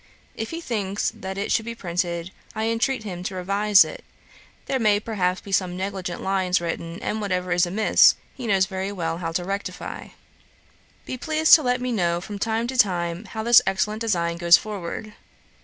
If he thinks that it should be printed, I entreat him to revise it; there may, perhaps, be some negligent lines written, and whatever is amiss, he knows very well how to rectify. 'Be pleased to let me know, from time to time, how this excellent design goes forward.